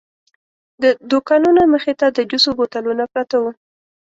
د دوکانونو مخې ته د جوسو بوتلونه پراته وو.